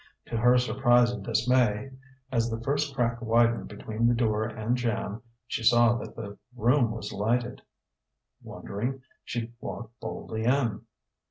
To her surprise and dismay, as the first crack widened between the door and jamb, she saw that the room was lighted. Wondering, she walked boldly in.